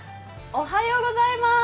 おはようございます。